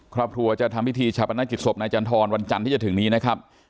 ครับทั่วจะทำพิธีชะปัญญาจิตศพในจันทรวันจันทร์ที่จะถึงนี้นะครับ